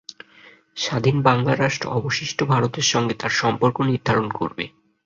স্বাধীন বাংলা রাষ্ট্র অবশিষ্ট ভারতের সঙ্গে তার সম্পর্ক নির্ধারণ করবে।